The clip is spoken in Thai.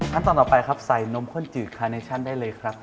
ขั้นตอนต่อไปครับใส่นมข้นจืดคาเนชั่นได้เลยครับ